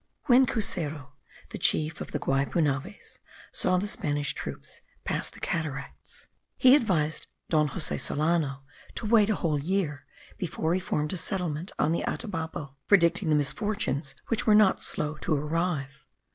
When Cuseru, the chief of the Guaypunaves, saw the Spanish troops pass the cataracts, he advised Don Jose Solano to wait a whole year before he formed a settlement on the Atabapo; predicting the misfortunes which were not slow to arrive.